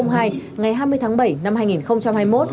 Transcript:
ngày hai mươi tháng bảy năm hai nghìn hai mươi một